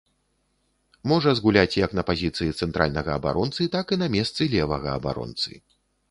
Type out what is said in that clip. Можа згуляць як на пазіцыі цэнтральнага абаронцы, так і на месцы левага абаронцы.